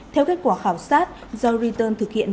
theo kết quả khảo sát do return thực hiện